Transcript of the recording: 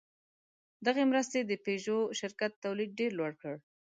دغې مرستې د پيژو شرکت تولید ډېر لوړ کړ.